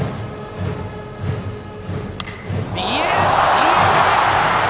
いい当たり！